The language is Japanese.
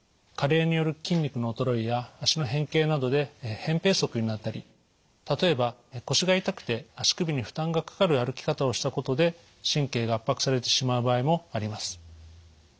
加齢による筋肉の衰えや足の変形などでへん平足になったり例えば腰が痛くて足首に負担がかかる歩き方をしたことで神経が圧迫されてしまう場合もあります。